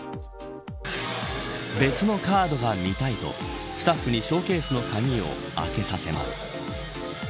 別のカードが見たいとスタッフにショーケースの鍵を開けさせます。